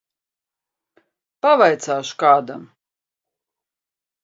Pavaicāšu kādam.